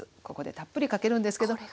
ここでたっぷりかけるんですけど。